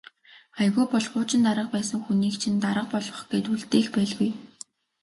Аягүй бол хуучин дарга байсан хүнийг чинь дарга болгох гээд үлдээх байлгүй.